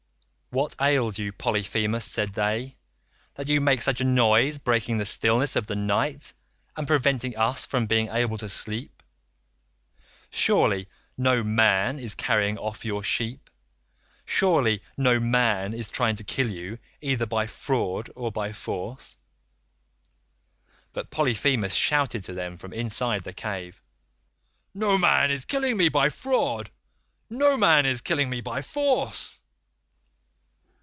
"'What ails you, Polyphemus,' said they, 'that you make such a noise, breaking the stillness of the night, and preventing us from being able to sleep? Surely no man is carrying off your sheep? Surely no man is trying to kill you either by fraud or by force?' "But Polyphemus shouted to them from inside the cave, 'Noman is killing me by fraud; no man is killing me by force.